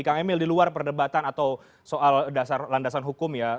kang emil di luar perdebatan atau soal dasar landasan hukum ya